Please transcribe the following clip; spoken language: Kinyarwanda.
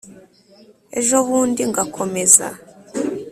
ejobundi ngakomeza